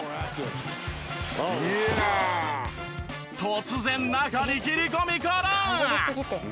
突然中に切り込みクルン！